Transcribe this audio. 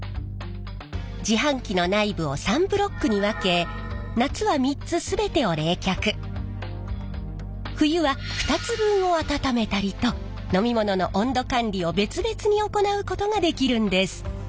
自販機の内部を３ブロックに分け夏は３つ全てを冷却冬は２つ分を温めたりと飲み物の温度管理を別々に行うことができるんです。